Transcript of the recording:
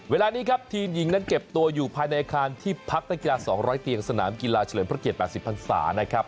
เวลานี้ครับทีมหญิงนั้นเก็บตัวอยู่ภายในอาคารที่พักนักกีฬา๒๐๐เตียงสนามกีฬาเฉลิมพระเกียร๘๐พันศานะครับ